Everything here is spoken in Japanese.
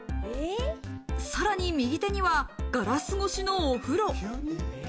さらに右手には、ガラス越しのお風呂。